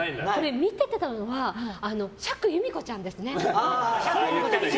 見てたのは釈由美子ちゃんですね。